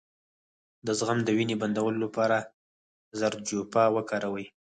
د زخم د وینې بندولو لپاره زردچوبه وکاروئ